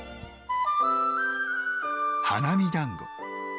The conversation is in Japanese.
花見だんご。